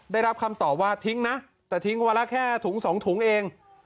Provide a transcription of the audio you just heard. ได้รับคำตอบว่าทิ้งนะแต่ทิ้งวันละแค่ถุง๒ถุงเอง